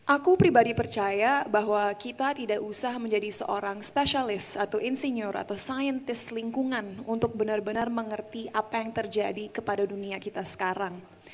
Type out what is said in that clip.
aku pribadi percaya bahwa kita tidak usah menjadi seorang spesialis atau insinyur atau scientist lingkungan untuk benar benar mengerti apa yang terjadi kepada dunia kita sekarang